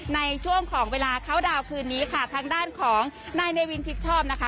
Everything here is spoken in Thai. ในช่วงของเวลาเข้าดาวน์คืนนี้ค่ะทางด้านของนายเนวินชิดชอบนะคะ